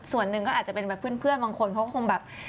ส่วนหนึ่งก็อาจจะเป็นแบบเพื่อนบางคนเขาก็คงแบบ